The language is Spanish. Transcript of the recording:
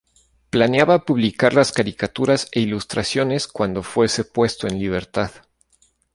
Planeaba publicar las caricaturas e ilustraciones cuando fuese puesto en libertad.